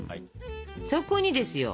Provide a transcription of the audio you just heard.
そこにですよ。